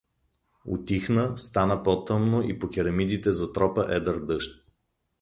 Утихна, стана по-тъмно и по керемидите затропа едър дъжд.